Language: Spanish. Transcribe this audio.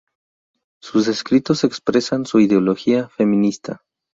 Sus escritos expresan su ideología feminista.